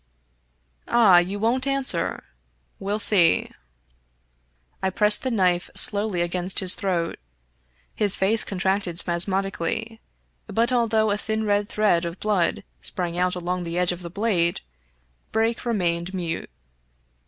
'* Ah ! you won't answer. We'll see." I pressed the knife slowly against his throat. His face contracted spasmodically, but although a thin red thread of blood sprang out along the edge of the blade. Brake re mained mute.